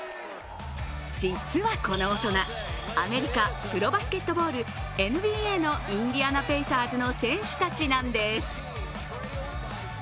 実はこの大人、アメリカプロバスケットボールＮＢＡのインディアナ・ペイサーズの選手たちなんです。